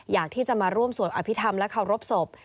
อยากที่จะมาร่วมสวดอภิษฐรรมและเคารพศพ